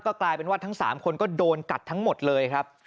กลายเป็นว่าทั้ง๓คนก็โดนกัดทั้งหมดเลยครับ